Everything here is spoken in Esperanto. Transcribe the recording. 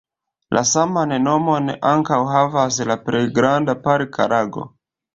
La saman nomon ankaŭ havas la plej granda parka lago.